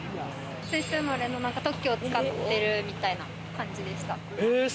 スイス生まれの特許を使ってるみたいな感じでした。